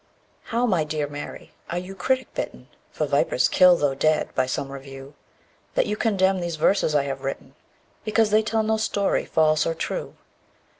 1. How, my dear Mary, are you critic bitten (For vipers kill, though dead) by some review, That you condemn these verses I have written, Because they tell no story, false or true?